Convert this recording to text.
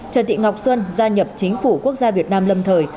trần thị ngọc xuân gia nhập chính phủ quốc gia việt nam lâm thời